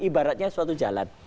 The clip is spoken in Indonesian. ibaratnya suatu jalan